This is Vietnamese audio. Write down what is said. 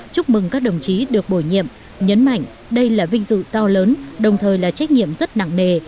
chúc mừng các đồng chí được bổ nhiệm nhấn mạnh đây là vinh dự to lớn đồng thời là trách nhiệm rất nặng nề